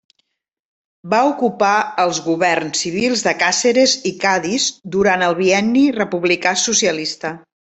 Va ocupar els Governs Civils de Càceres i Cadis durant el bienni republicà-socialista.